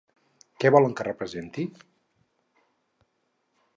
Què volen que representi?